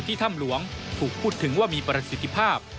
ถ้ำหลวงถูกพูดถึงว่ามีประสิทธิภาพ